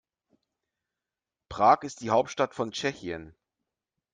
Prag ist die Hauptstadt von Tschechien.